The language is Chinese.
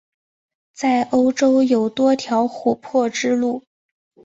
在欧洲有多条琥珀之路。